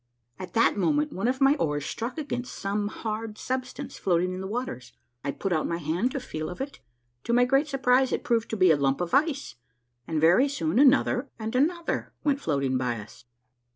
At that moment one of my oars struck against some hard substance floating in the waters. I put out my hand to feel of it. To my great surprise it proved to be a lump of ice, and very soon another and another went floating by us.